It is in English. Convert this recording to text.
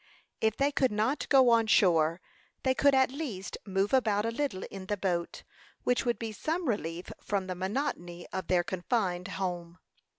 If they could not go on shore, they could at least move about a little in the boat, which would be some relief from the monotony of their confined home.